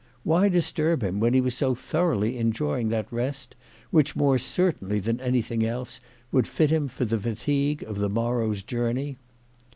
Why disturb him when he was so thoroughly enjoying that rest which, more certainly than anything else, would fit him for the fatigue of the morrow's journey